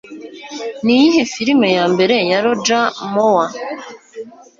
Niyihe filime ya mbere ya Roger Moore?